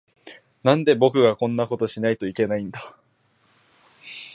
なんで、僕がこんなことをしないといけないんだ。